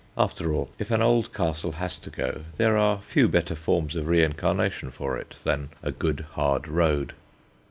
After all, if an old castle has to go, there are few better forms of reincarnation for it than a good hard road.